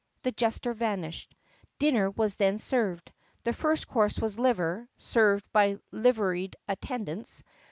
The jester vanished. Dinner was then served. The first course was liver (served by liveried attendants)